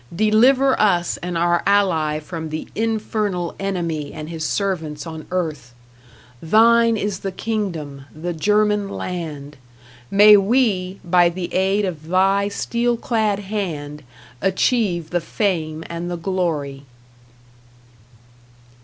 Deliver us and our ally from the Infernal Enemy and his servants on earth. Thine is the kingdom, the German land; may we, by the aid of Thy steel clad hand, achieve the fame and the glory.